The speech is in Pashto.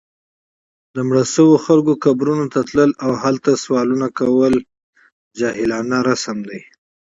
د مړو شوو خلکو قبرونو ته تلل، او هلته سوالونه کول جاهلانه رسم دی